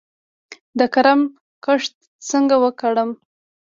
د کرم کښت څنګه وکړم؟